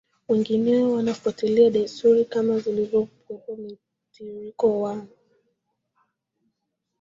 wengineo wanafuatilia desturi kama walivyozipokea Mtiririko wa